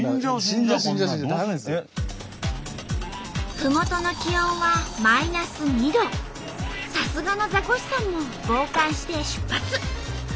ふもとのさすがのザコシさんも防寒して出発。